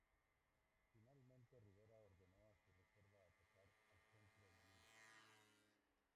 Finalmente Rivera ordenó a su reserva atacar al centro enemigo.